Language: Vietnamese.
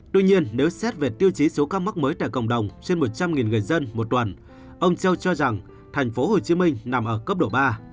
tuy nhiên nếu xét về tiêu chí số ca mắc mới tại cộng đồng trên một trăm linh người dân một tuần ông châu cho rằng tp hcm nằm ở cấp độ ba